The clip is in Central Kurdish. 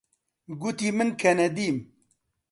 گوتی من کەنەدیم.